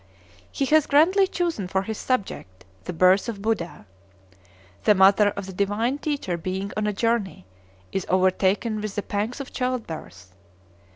He has grandly chosen for his subject the Birth of Buddha. The mother of the divine teacher being on a journey, is overtaken with the pangs of childbirth.